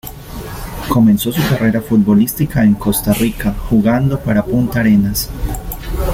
Comenzó su carrera futbolística en Costa Rica jugando para Puntarenas.